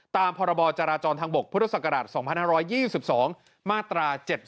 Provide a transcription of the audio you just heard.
ตามพจราจรทางบกพศ๒๕๒๒มาตรา๗๖